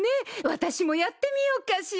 私もやってみようかしら。